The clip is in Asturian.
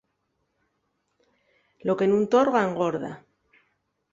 Lo que nun torga engorda.